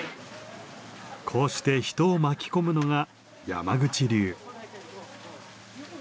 こうして人を巻き込むのが山口流。